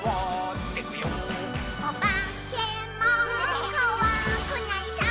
「おばけもこわくないさ」